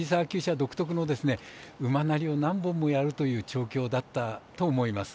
独特の馬なりを何本もやるという調教だったと思います。